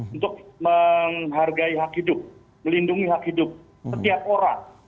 untuk menghargai hak hidup melindungi hak hidup setiap orang